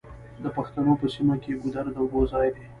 د پښتنو په سیمو کې ګودر د اوبو ځای دی.